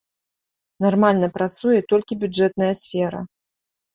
Нармальна працуе толькі бюджэтная сфера.